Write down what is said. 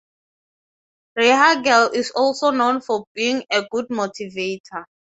Rehhagel is also known for being a good motivator.